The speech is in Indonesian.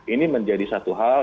ini menjadi satu hal